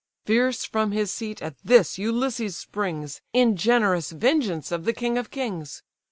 Fierce from his seat at this Ulysses springs, In generous vengeance of the king of kings.